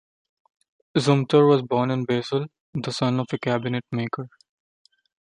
Zumthor was born in Basel, the son of a cabinet-maker.